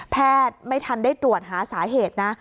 ไม่ทันได้ตรวจหาสาเหตุนะ